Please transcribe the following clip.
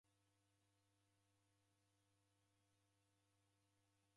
Nashinika kwaki niw'ingilo mzi.